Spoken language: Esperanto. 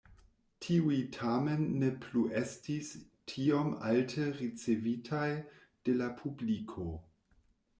Tiuj tamen ne plu estis tiom alte ricevitaj de la publiko.